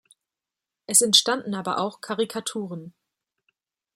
Es entstanden aber auch Karikaturen.